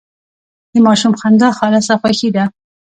د ماشوم خندا خالصه خوښي ده.